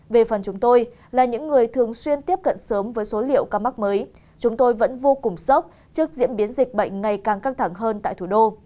về phần chúng tôi là những người thường xuyên tiếp cận sớm với số liệu ca mắc mới chúng tôi vẫn vô cùng sốc trước diễn biến dịch bệnh ngày càng căng thẳng hơn tại thủ đô